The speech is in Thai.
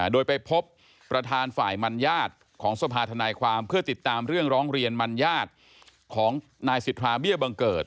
โดยไปพบประธานฝ่ายมัญญาติของสภาธนายความเพื่อติดตามเรื่องร้องเรียนมัญญาติของนายสิทธาเบี้ยบังเกิด